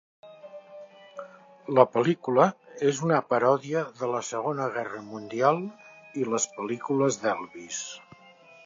La pel·lícula és una paròdia de la Segona Guerra Mundial i les pel·lícules d'Elvis.